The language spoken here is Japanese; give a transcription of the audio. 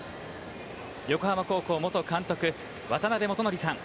横浜高校元監督渡辺元智さん。